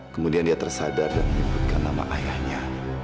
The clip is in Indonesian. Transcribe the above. kemudian dia tersadar dan menyebutkan nama ayahnya